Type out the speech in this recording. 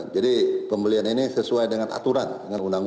jadi pembelian ini sesuai dengan aturan dengan urusan